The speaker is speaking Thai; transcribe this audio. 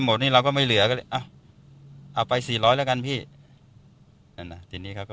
หมดนี่เราก็ไม่เหลือก็เลยอ่ะเอาไปสี่ร้อยแล้วกันพี่นั่นอ่ะทีนี้เขาก็